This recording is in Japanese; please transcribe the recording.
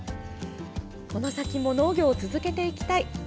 この先も農業を続けていきたい。